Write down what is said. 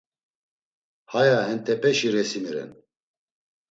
Haya hentepeşi resimi ren.